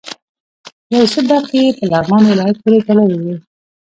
یو څه برخې یې په لغمان ولایت پورې تړلې وې.